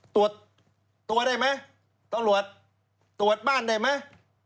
ตรวจตัวได้ไหมตำรวจตรวจบ้านได้ไหม